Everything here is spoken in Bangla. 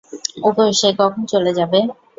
ওগো, সে কখন চলে যাবে?